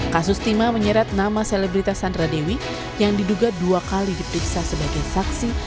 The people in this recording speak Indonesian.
kasus timah menyeret nama selebritas sandra dewi yang diduga dua kali diperiksa sebagai saksi